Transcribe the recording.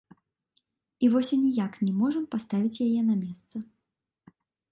І вось аніяк не можам паставіць яе на месца.